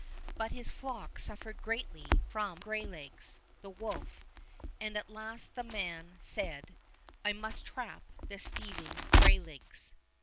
But his flock suffered greatly from Greylegs, the wolf, and at last the man said, "I must trap this thieving Greylegs."